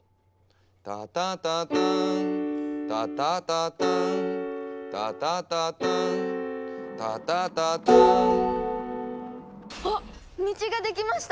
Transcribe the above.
「タタタターン」「タタタターン」「タタタターン」「タタタターン」あっ道ができました！